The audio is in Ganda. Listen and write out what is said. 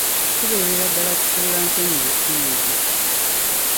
Kubeerera ddala kufuula nsonyi busungu.